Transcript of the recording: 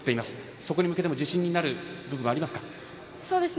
そこに向けても自信になる部分はありますか。